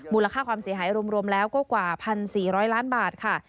ค่าความเสียหายรวมแล้วก็กว่า๑๔๐๐ล้านบาทค่ะ